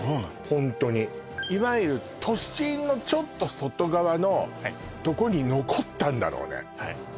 ホントにいわゆる都心のちょっと外側のとこに残ったんだろうね